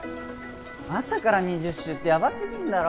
朝から２０周ってやばすぎんだろ